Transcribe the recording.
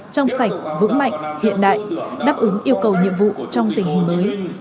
trong sạch vững mạnh hiện đại đáp ứng yêu cầu nhiệm vụ trong tình hình mới